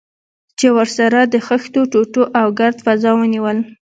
چې ورسره د خښتو ټوټو او ګرد فضا ونیول.